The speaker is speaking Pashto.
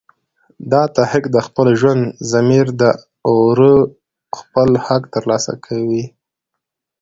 دا تحریک د خپل ژوندي ضمیر د اوره خپل حق تر لاسه کوي